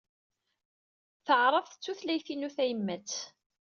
Taɛṛabt d tutlayt-inu tayemmat.